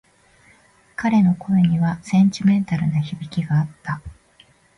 彼の声にはセンチメンタルな響きがあった。